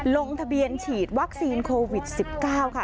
ลงทะเบียนฉีดวัคซีนโควิด๑๙ค่ะ